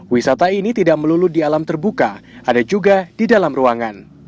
wisata ini tidak melulu di alam terbuka ada juga di dalam ruangan